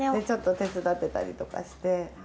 ちょっと手伝ってたりとかして。